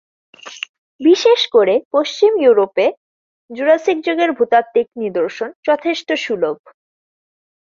বিশেষ করে পশ্চিম ইউরোপে জুরাসিক যুগের ভূতাত্ত্বিক নিদর্শন যথেষ্ট সুলভ।